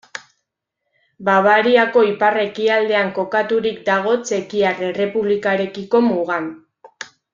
Bavariako ipar-ekialdean kokaturik dago Txekiar Errepublikarekiko mugan.